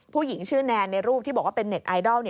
ผู้หญิงชื่อแนนในรูปที่บอกว่าเป็นเน็ตไอดอล